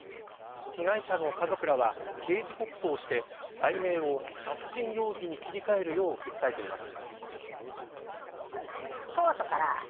被害者の家族らは刑事告訴をして、罪名を殺人容疑に切り替えるよう訴えています。